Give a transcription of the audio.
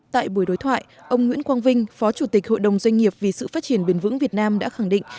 tại buổi đối thoại ông nguyễn quang vinh phó chủ tịch hội đồng doanh nghiệp vì sự phát triển bền vững việt nam đã khẳng định